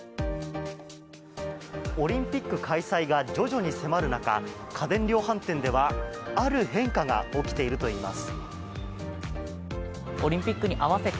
オリンピック開催が徐々に迫る中家電量販店では、ある変化が起きているといいます。